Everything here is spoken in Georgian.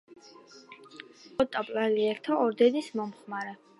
დედოფალი მატილდა იყო ტამპლიერთა ორდენის მომხრე.